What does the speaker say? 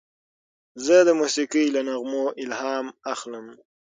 زه د موسیقۍ له نغمو الهام اخلم.